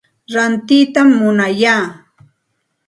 Rantiytam munaya.